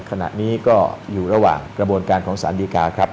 ขณะนี้ก็อยู่ระหว่างกระบวนการของสารดีกาครับ